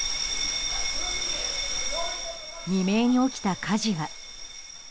未明に起きた火事は。